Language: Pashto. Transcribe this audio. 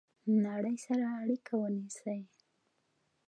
نړۍ سره اړیکه ونیسئ